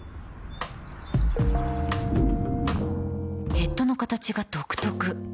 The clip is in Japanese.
ヘッドの形が独特